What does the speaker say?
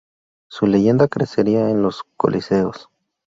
Su leyenda crecería en los coliseos.